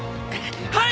はい！